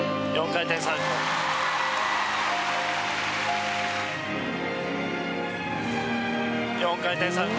４回転サルコウ。